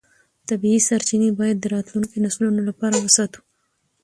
طبیعي سرچینې باید د راتلونکو نسلونو لپاره وساتو